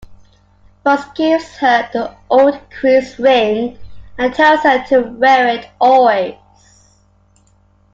Fuchs gives her the old queen's ring and tells her to wear it always.